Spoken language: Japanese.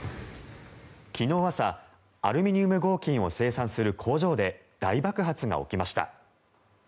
昨日朝、アルミニウム合金を生産する工場で大爆発が起きました。